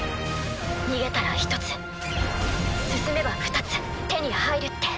逃げたら１つ進めば２つ手に入るって。